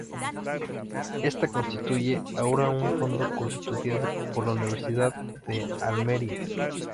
Ésta constituye ahora un fondo custodiado por la Universidad de Almería.